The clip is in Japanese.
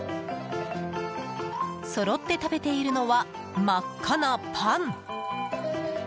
そろって食べているのは真っ赤なパン。